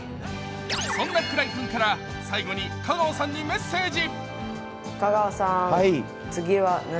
そんな鞍井君から、最後に香川さんにメッセージ。